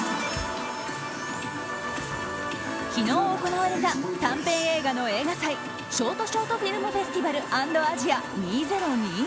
昨日行われた短編映画の映画祭ショートショートフィルムフェスティバル＆アジア２０２２。